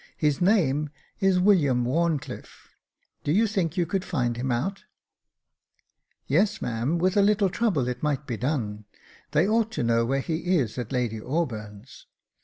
His name is William WharnclifFe. Do you think you could find him out ?"" Yes, ma'am, with a little trouble it might be done. They ought to know where he is at Lady Auburn's."